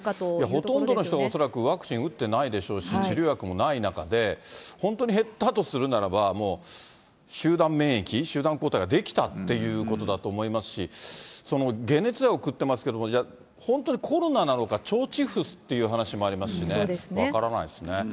ほとんどの人が恐らく、ワクチンを打ってないでしょうし、治療薬もない中で、本当に減ったとするならば、もう、集団免疫、集団抗体ができたっていうことだと思いますし、解熱剤を送ってますけども、じゃあ、本当にコロナなのか、腸チフスっていう話もありますしね、分からないですね。